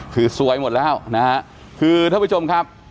คือซวยหมดแล้วนะฮะคือท่านผู้ชมครับ